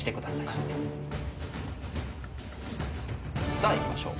さあいきましょう。